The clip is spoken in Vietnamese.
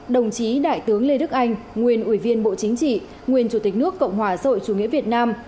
đồng chí đại tướng lê đức anh nguyên ủy viên bộ chính trị nguyên chủ tịch nước cộng hòa xã hội chủ nghĩa việt nam